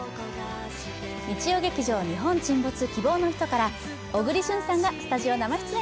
日曜劇場「日本沈没−希望のひと−」から小栗旬さんがスタジオ生出演。